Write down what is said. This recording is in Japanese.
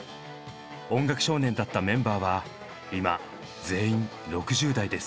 音楽少年だったメンバーは今全員６０代です。